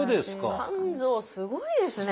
肝臓すごいですね！